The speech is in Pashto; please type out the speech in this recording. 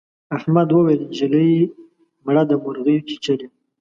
احمد وويل: نجلۍ مړه ده مرغۍ چیچلې.